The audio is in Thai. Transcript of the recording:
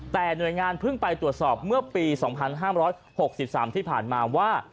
แต่หน่วยงานเพิ่งไปตรวจสอบเมื่อปี๒๕๖๓ที่ผ่านมาว่า